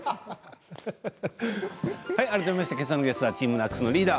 改めまして今朝のゲストはＴＥＡＭＮＡＣＳのリーダー